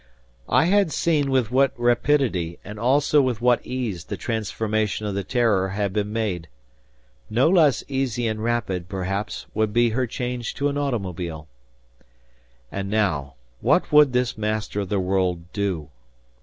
I had seen with what rapidity, and also with what ease the transformation of the "Terror" had been made. No less easy and rapid, perhaps, would be her change to an automobile. And now what would this Master of the World do?